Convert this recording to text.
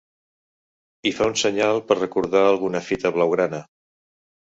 Hi fa un senyal per recordar alguna fita blau-grana.